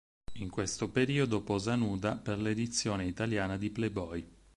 In questo periodo posa nuda per l'edizione italiana di "Playboy".